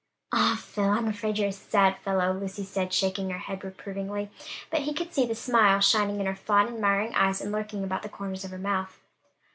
"Ah, Phil, I'm afraid you're a sad fellow!" Lucy said, shaking her head reprovingly; but he could see the smile shining in her fond, admiring eyes, and lurking about the corners of her mouth.